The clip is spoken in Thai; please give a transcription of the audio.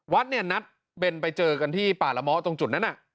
วัดเนี่ยนัดเบนไปเจอกันที่ป่าละเมาะตรงจุดนั้น